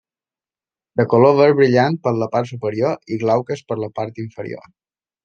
De color verd brillant per la part superior i glauques per la part inferior.